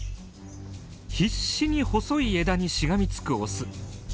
必死に細い枝にしがみつくオス。